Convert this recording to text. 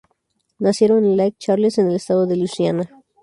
Nacieron en Lake Charles en el estado de Luisiana.